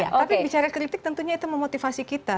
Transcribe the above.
tapi bicara kritik tentunya itu memotivasi kita